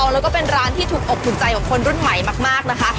แล้วก็เป็นร้านที่ถูกอกถูกใจของคนรุ่นใหม่มากนะคะ